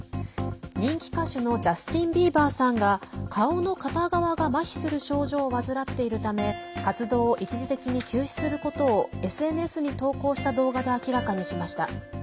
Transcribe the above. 人気歌手のジャスティン・ビーバーさんが顔の片側がまひする症状を患っているため活動を一時的に休止することをＳＮＳに投稿した動画で明らかにしました。